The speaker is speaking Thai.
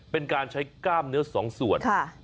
เป็นการใช้กล้ามเนื้อสองส่วน